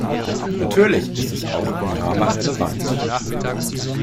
Natürlich ist es auch in Java relevant.